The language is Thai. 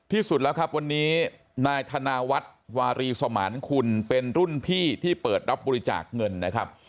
ที่สุดแล้วครับวันนี้นายธนาวัฒน์วารีสมานคุณเป็นรุ่นพี่ที่เปิดรับบริจาคเงินนะครับ